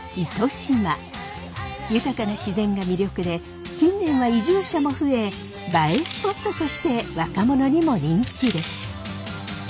豊かな自然が魅力で近年は移住者も増え映えスポットとして若者にも人気です。